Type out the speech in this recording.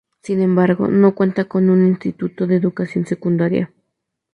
Sin embargo no cuenta con un instituto de educación secundaria.